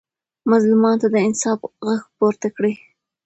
مظلومانو ته د انصاف غږ پورته کړئ.